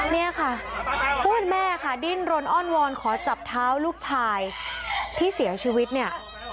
เนี่ยค่ะผู้เป็นแม่ค่ะดิ้นรนอ้อนวอนขอจับเท้าลูกชายที่เสียชีวิตเนี่ย